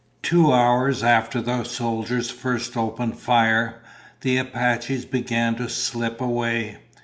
Two hours after the soldiers first opened fire, the Apaches began to slip away.